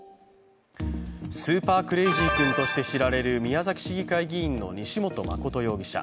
スーパークレイジー君として知られる宮崎市議会議員の西本誠容疑者